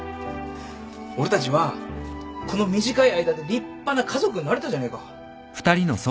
俺たちはこの短い間で立派な家族になれたじゃねえか。